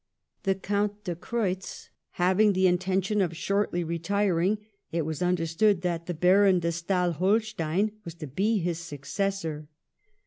The Count de Creutz having the intention of shortly retiring, it^ was understood that the Baron de Stael Holstein was to be his successor.